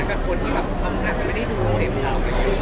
กับคนที่ทำงานแต่ไม่ได้ดูเดิมชาว